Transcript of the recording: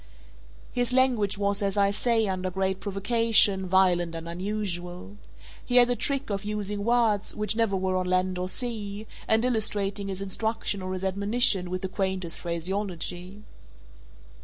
His language was, as I say, under great provocation, violent and unusual. He had a trick of using words which never were on land or sea, and illustrating his instruction or his admonition with the quaintest phraseology.